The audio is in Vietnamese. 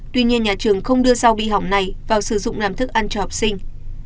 tuy nhiên nhà trường không đưa rau bị hỏng này vào sử dụng làm thức ăn cho học sinh